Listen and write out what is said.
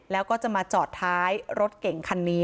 แล้วก็จะมาจอดท้ายรถเก่งคันนี้